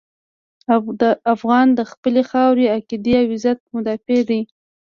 افغان د خپلې خاورې، عقیدې او عزت مدافع دی.